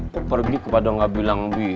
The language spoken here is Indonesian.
kok baru beli kok padahal gak bilang bi